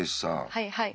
はいはい。